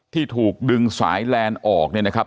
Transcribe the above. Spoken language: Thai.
ที่ถูกดึงสายแลนด์ออกเนี่ยนะครับ